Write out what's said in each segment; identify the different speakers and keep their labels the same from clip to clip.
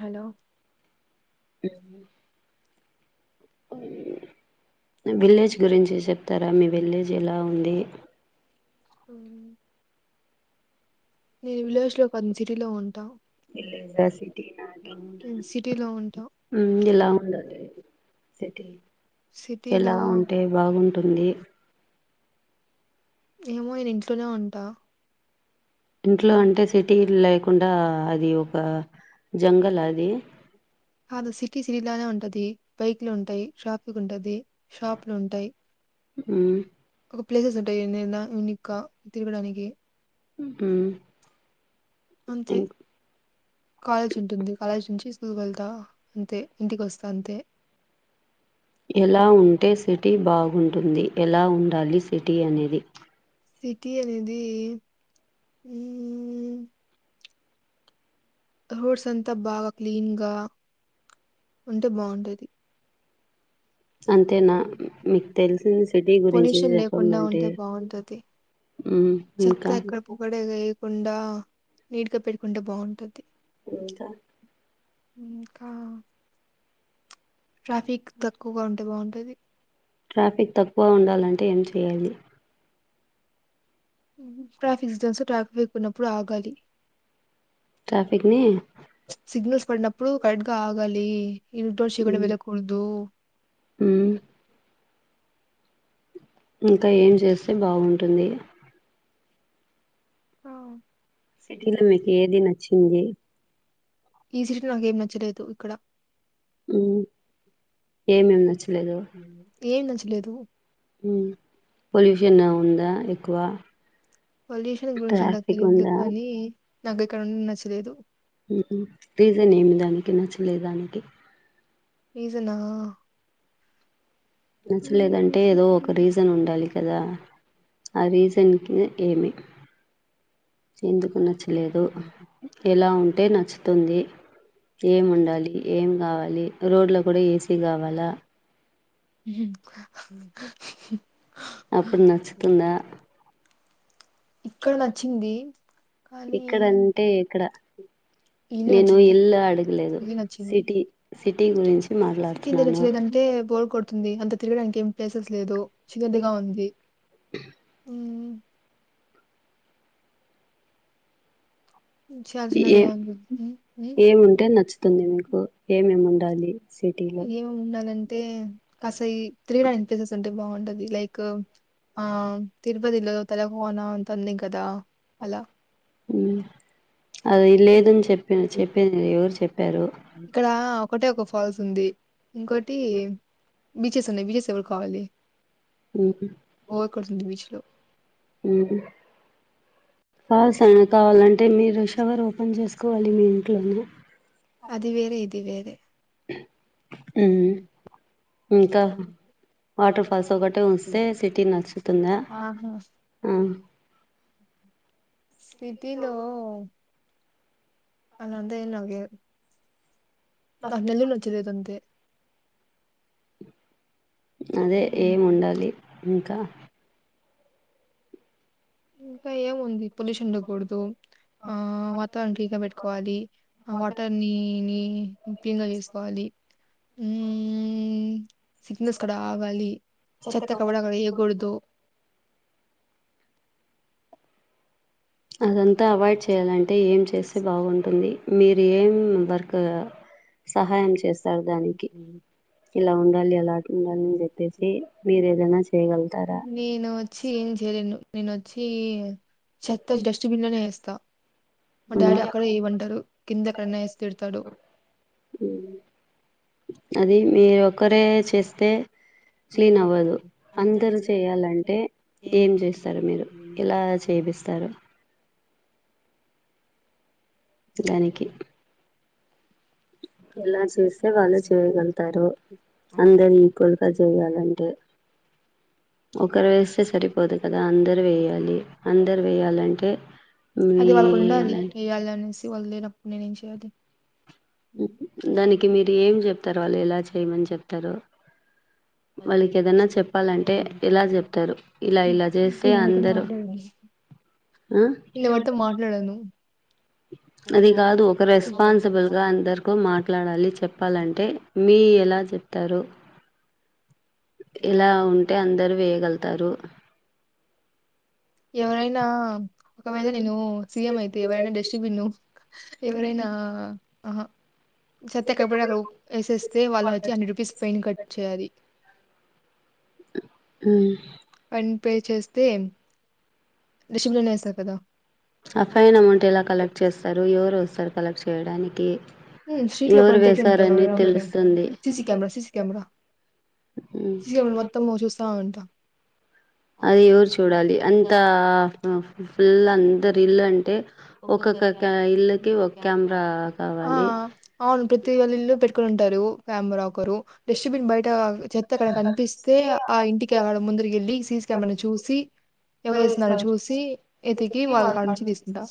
Speaker 1: Hello
Speaker 2: అవును. Village గురించి చెప్తారా మీ విలేజ్ ఎలా ఉంది.
Speaker 1: అవును. నేను విలేజ్ లో కాదు సిటీలో ఉంటాం. సిటీలో ఉంటాం. సిటీలో ఏమో నేను ఇంట్లోనే ఉంటా.
Speaker 2: ఇంట్లో అంటే సిటీ లేకుండా.
Speaker 1: కాదు సిటీ సిటీలనే ఉంటది. బైక్లు ఉంటాయి. ట్రాఫిక్ ఉంటది. షాప్లు ఉంటాయి. ప్లేసెసుంటాయండి ఎందా. ఇంకా తిరగడానికి.
Speaker 2: ఉమ్మ్
Speaker 1: అంతే. కాలేజ్ ఉంటుంది. కాలేజ్ నుంచి స్కూల్కి వెళ్తా. అంతే. ఇంటికి వస్తా అంతే.
Speaker 2: ఎలా ఉంటే సిటీ బాగుంటుంది. ఎలా ఉండాలి సిటీ అనేది.
Speaker 1: సిటీ అనేది. ఉహూ రోడ్స్ అంతా బాగా క్లీన్ గా ఉంటే బాగుంటది. పొల్యూషన్ లేకుండా ఉంటే బాగుంటది. చెత్త ఎక్కడ పోగుడ వెయ్యొ కుండా నీట్గా పెట్టుకుంటే బాగుంటది. ఇంకా. ఇంకా. ట్రాఫిక్ తక్కువగా ఉంటే బాగుంటది. ట్రాఫిక్జామ్స్ ట్రాఫిక్ ఎక్కువగా ఉన్నప్పుడు ఆగాలి. సిగ్నల్స్ పడినప్పుడు కరెక్ట్ గా ఆగాలి. ఇటోషి [unintelligible] వెళ్ళకూడదు.
Speaker 2: ఇంకా ఏం చేస్తే బాగుంటుంది.
Speaker 1: హ
Speaker 2: సటిలో మీకు ఏదినచ్చ ఏంది
Speaker 1: ఈజీగా నాకేం నచ్చలేదు ఇక్కడ.
Speaker 2: ఏమేమి నచ్చలేదు.
Speaker 1: ఏం నచ్చలేదు.
Speaker 2: పొల్యూషన్ ఉందా ఎక్కువ
Speaker 1: పొల్యూషన్ గురించి నాకు తెలియదు కానీ నాకు ఇక్కడ ఉండడం నచ్చలేదు
Speaker 2: నచ్చలేదానికి
Speaker 1: రీజనా
Speaker 2: నచ్చలేదంటే ఏదో ఒక రీజన్ ఉండాలి కదా ఆ రీజన్ కి ఏమి ఎందుకు నచ్చలేదు ఎలా ఉంటే నచ్చుతుంది ఏం ఉండాలి ఏం కావాలి రోడ్లో కూడా ఏసీ కావాలా అప్పుడు నచ్చతుందా
Speaker 1: ఇక్కడ నచ్చింది కానీ ఇల్లు నచ్చింది ఇల్లు నచ్చింది కింది నచ్చలేదంటే బోర్ కొడుతుంది అంత తిరగడానికి ఏమి ప్లేసెస్ లేదు చిన్నదిగా ఉంది చాలా చిన్నదిగా ఉంది ఏమేమి ఉండాలంటే కాస్త త్రీ రైడ్ ప్లేసెస్ అంటే బాగుంటది లైక్ ఆ తిరుపతిలో తెలకోణ అంత ఉంటుంది కదా అలా ఇక్కడ ఒకటే ఒక ఫాల్స్ ఉంది ఇంకోటి బీచెస్ ఉన్నాయి బీచెస్ ఎవరు కావాలి బోర్ కొడుతుంది బీచ్ లో
Speaker 2: మ్మ్ హ్మ్ కాల్సన్ కావాలంటే మీరు షవర్ ఓపెన్ చేసుకోవాలి మీ ఇంట్లోనే. హ్మ్మ్ ఇంకా వాటర్ఫాల్స్ ఒకటే వస్తే సిటీ నచ్చుతుందా ఆ
Speaker 1: సిటీలో అదంతైనాగే నాన్నెల్లు నచ్చలేదంతే
Speaker 2: అదే ఏం వండాలి ఇంకా
Speaker 1: ఇకా ఏం ఉంది పొలిషనుండకూడదు ఆ వాతావరణం ఫ్రీగా పెట్టుకోవాలి ఆ వాటర్ నిని ఏ పింగా వేస్కోవాలి మ్మ్ సిగ్నల్స్ కాడ ఆగాలి చెత్త ఎక్కడవడక్కడ వేయకూడదు
Speaker 2: అదంతా అవాయిడ్ చేయాలంటే ఏం చేస్తే బాగుంటుంది మీరు ఏం గా
Speaker 1: నేను వచ్చి ఏం చేయలేను నేను వచ్చి చెత్తను డస్ట్బిన్ లోనే వేస్తా మా డాడీ అక్కడే వే మంటారు కిందె కడనా వేసి తిడతాడు
Speaker 2: అది మీరు ఒకరే చేస్తే క్లీన్ అవ్వదు అందరుూ చేయాలంటే ఏం చేస్తారు మీరు ఇలా చేపిస్తారు
Speaker 1: [inaudible]
Speaker 2: ఇలా చూస్తే వాళ్ళు చేయగలుగుతారు అందరు ఈక్వల్గా చేయ్యాలంటే ఒకరు వేస్తే సరిపోదు కదా అందరుూ వేయాలి అందరు వేయాలంటే మీ
Speaker 1: నేనేంచేయాలి
Speaker 2: దానికి మీరు ఏం చెప్తారు వాళ్ళు ఎలా చేయమని చెప్తారు
Speaker 1: ఇతే మా ఇవడుతే మాటలులాడాను
Speaker 2: అది కాదు ఒక రెస్పాన్సిబుల్ గా అందరిక మాట్లాడాలి చెప్పాలంటే మీ ఎలా చెప్తారు రు ఇలా ఉంటే అందరు వే వెళ్తారు
Speaker 1: ఎవరైనా ఒకవేళ నేను సీఎం అయితే ఎవరైన డస్టబిన్ను ఎవరైనా ఆహా సర్ ఎక్కడప్పుడ అ వేసేస్తే వాళ్ళు వచ్చి హండ్రెడ్ రూపీస్ ఫైన్ కట్ చేయాలి అండ్ పే చేస్తే డిస్ట్బాన్ వేశారు కథ
Speaker 2: అఫ్ఐన్ అమౌంట్ ఎలా కలెక్ట్ చేస్తారు ఎవరు వస్తారు కలెక్ట్ చేస్ చేయడానికి ఎవరు వేశారని తెలుస్తుంది
Speaker 1: మొత్తం మో చుస్తా ఉంటా
Speaker 2: అది ఎవరు చూడాలి అంత ఫుల్ అందరు ఇల్లు అంటే ఒక్కొక్క ఇల్కి ఒక కెమెరా కావ
Speaker 1: ఆ అవును ప్రతి వాలీల్లు ఎక్కడ ఉంటారు కెమెరా ఒకరు డస్ట్బిన్ బయట చెత్త అక్కడ కనిపిస్తే ఆ ఇంటికి అడ ముందురికి ఎళ్ళి సీసీ కమెరా చూసి ఎవరు వేస్తున్నారో చూసి ఎతికి వాళ్ళ కాడ నుంచి తీసుకుంటా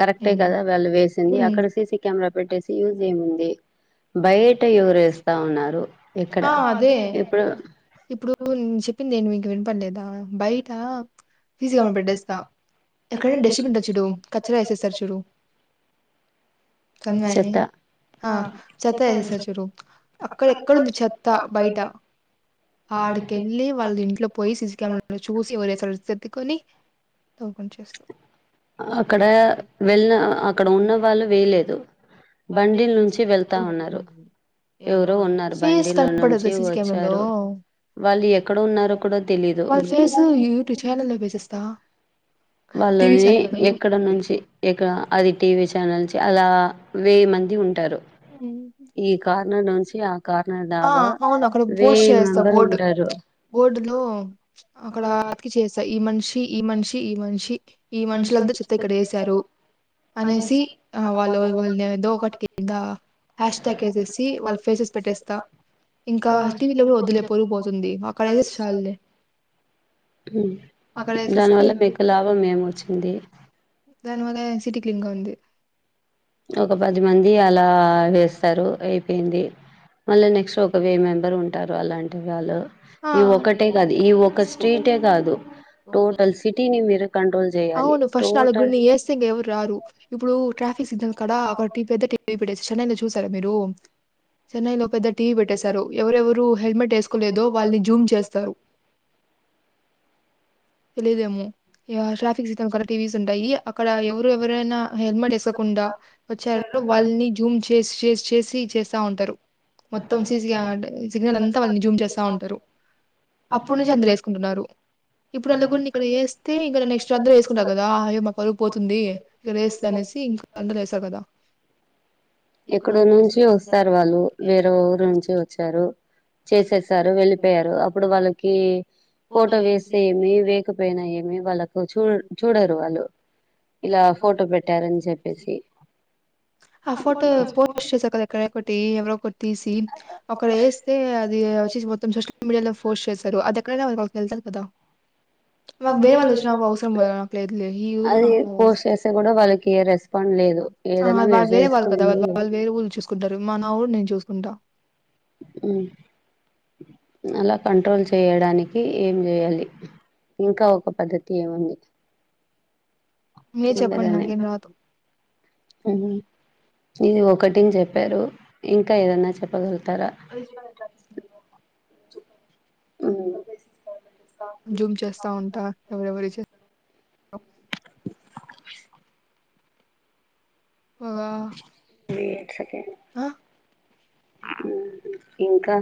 Speaker 2: కరెక్టే కదా వాళ్ళు వేసింది అక్కడ సీసీ కమె ఇగ పెట్టేసి యూజ్ ఏముంది
Speaker 1: ఆ అదే ఇప్పుడు చెప్పింది నేను మీకు వినుపడలేదా బయట ఈజీగా బెడ్ ఏస్తా ఎక్కడైనా డస్ట్బిన్ ఉంటా చూడు కచ్చరా ఏసేస్తారు చూడు
Speaker 2: ఉంచత అ
Speaker 1: చెత్త ఎసేసరు చూడు అక్కడ ఎక్కడుంది చెత్త బయట ఆడికెళ్ళి వాళ్ళ ఇంట్లో పోయి సిసి కెమె చూసి ఎవరేసలు సర్దుకొని సీసీ కనపడదు సిసి కెమారాలో వాళ్ళ ఫేస్ యూట్యూ చానల్ లో వేసేస్తా
Speaker 2: వాళ్ళని ఎక్కడ నుంచి ఎక్కడ అది టీవీ త్యానంచి అలా
Speaker 1: ఆ అవును అక్కడ పోస్ట్ చేసేస్తా బోర్డు బోర్డులో అక్కడ అతికిచేస్తా ఈ మనిషి ఈ మనిషి ఈ మనిషి ఈ మనుషులంతా చెత్త ఇక్కడ ఏసారు అనేసి ఆ వాళ్ళు వాళు ఏదో ఒకటి కింద హ్యాష్ టాగ్ వేసేసి వాళ్ళ ఫేసెస్ పెట్టేస్తా ఇంకా టీవీలో కూడా వద్లే పరువు పోతుంది అక్కడ అయితే చాలులే
Speaker 2: దానివల్ల మీకు లాభం ఏమి వచ్చింది
Speaker 1: దని వల్ల సిటీ క్లీన్ గా ఉంది
Speaker 2: ఒక పది మంది అలా వేస్ పరువు అయిపోయింది మళ్ళ నెక్స్ట్ ఒక వెయి మెంబర్ ఉంటారు అలాం టువాలో
Speaker 1: ఆ అవును ఫస్ట్ నాలుగురిని చేస్తే ఇక ఎవరు రారు ఇప్పుడు ట్రాఫిక్ సిగ్నల్ ఇక్కడ ఒకటీ పెద్ద టీవీ పెట్టేసి చెన్నై ని చూసారా మీరు చెన్నై లో పెద్ద టీవీ పెట్టేసారు ఎవరెవరు హెల్మెట్ వేసుకోలేదో వాళ్ని జూమ్ చేస్తారు తెలీదేమో యా ట్రాఫిక్ సీతం కాడ టీవీస్ ఉంటాయి అక్కడ ఎవరు ఎవరైనా హెల్మెట్ ఎక్కకుండా వచ్చారో వాళ్ని జూమ్ చేస్ చేస్ చేసి చేస్తా ఉంటారు మొత్తం సిసి [unintelligible] సిగ్నల్ అంతా వాళ్ళని జూమ్ చేస్. అప్పుడు నుంచి అందరు వేసుకుంటున్నారు ఇప్పుడు అందుకు ఇక్కడ వేస్
Speaker 2: ఎక్కడో నుంచి వస్తారు వాళ్ళు వేరే ఊరు నుంచి వచ్చారు చేసేసారు. వెళ్ళిపోయారు అప్పుడు వాళ్ళకి ఫోటో వేస్తే ఏమి వేకపోయినా ఏమి వాళ్ళకు చూడ చూడరు వాళ్ళు ఇలా ఫోటో పెట్టారని చెప్పేసి
Speaker 1: ఆ ఫోటో పోస్ట్ చేస్తారు కదా ఎక్కడ ఒకటి ఎవరొ ఒకటి తీసి ఒకక్కడ వేస్తే అది వచ్చి మొత్తం సోషల్ మీడియాలో పోస్ట్ చేస్తారు అది ఎక్కడైనా వాళ్కి వెళ్తారు కదా
Speaker 2: అది పోస్ట్ చేస్తే కూడా వాళ్ళకి ఏ రెస్పాండ్ లేదు
Speaker 1: ఆ వాళ వేరే వాళ్ళు కదా వాళ్ళు వేరే ఊరు చూసుంటారు మా నా ఊరు నేను చూసుకుంటా
Speaker 2: హమ్ అలా కంట్రోల్ చేయడానికి ఏం చేయాలి ఇంకా ఒక పద్ధతి ఏముంది
Speaker 1: మీ చెప్పండి నాకం రాధు
Speaker 2: అవున ఇది ఒకటిని చెప్పారు ఇంకా ఏదన్నా చెప్పగలుగుతారా
Speaker 1: జూమ్ చేస్తా ఉంటా ఎవరెవరి ఒ ఒగా
Speaker 2: ఇంకా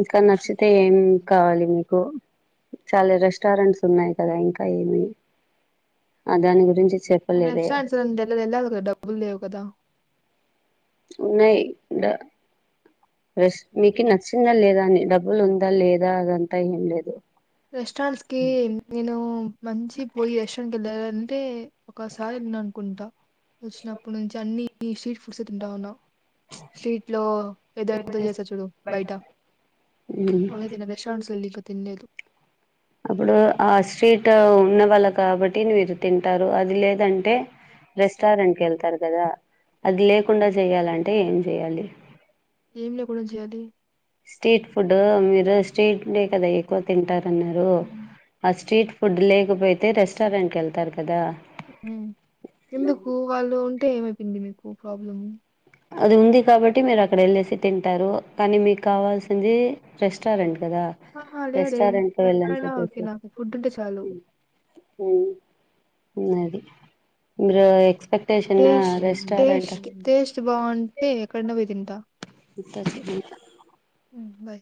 Speaker 2: ఇంకా నచ్చితే ఏం కావాలి మీకు చాల్లే రెస్టారెంట్స్ ఉన్నాయి కదా ఇంకా ఏమి
Speaker 1: రెస్టాంట్స్ అన్ వెళ్ వెళ్లావ్ గద డబ్ బ్బుల్ లేవు కదా
Speaker 2: వున్నాయి డ ఫస్ మీకు నచ్చిందా లేదా అని డబ్బులు ఉందా లేదా అదంతా ఏం లేదు
Speaker 1: రెస్టారెంట్స్ కి నేను మంచి పోయి రెస్టారెంట్ వెళ్ళ అంటే ఒకసారి వెళ్ళిన అనుకుంటా వచ్చినప్పుడు నుంచి అన్ని స్ట్రీట్ ఫుడ్స్ ఎ తింటా ఉన్నా స్ట్రీట్ లో [inaudible] చేసా చూడు బయట [unintelligible] రెస్టారెంట్స్ లో వెళ్ళి ఇంకా తిన్లేదు
Speaker 2: అప్పుడు ఆ స్ట్రీట్ ఉన్న వాళ్ళ కాబట్టి మీరు తింటారు అది లేద్ దంటే రెస్టారెంట్క్ ఎల్తారు కదా అది లేకుండా చెయాలంటే ఏం చెయాలి
Speaker 1: ఏం లేకుండా చేయాలి
Speaker 2: స్ట్రీట్ ఫుడ్ మీరు స్ట్రీట్డే కదా ఎక్కువ తింటారన్నారు ఆ స్ట్రీట్ ఫుడ్ లేకపోతే రెస్టారెంట్కి వెళ్తారు కదా
Speaker 1: ఏమై పిండి మీకు ఒ ప్రాబ్లము
Speaker 2: అక్కడ వెళ్ళేసి తింటారు కానీ మీకు కావాల్సింది రెస్టారెంట్ కదా రెస్టారెంట్తో వెళ్ళని చెప్పేసి ఉ ఉ ఉనది మీరు ఎక్స్పెటేషన్ రే
Speaker 1: టేస్ట్ టేస్ట్ బాగుంటే ఎక్కడున్న పోయి తింటా
Speaker 2: [unintelligible]
Speaker 1: మ్ బయ్